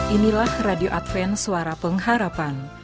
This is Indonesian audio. inilah radio adven suara pengharapan